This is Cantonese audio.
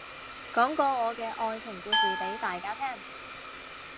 講個我嘅愛情故事俾大家聽